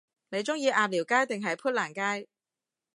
你鍾意鴨寮街定係砵蘭街？